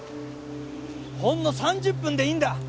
ほんの３０分でいいんだ。